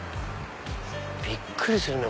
びっくりするね